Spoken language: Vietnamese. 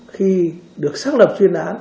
khi được xác lập chuyên án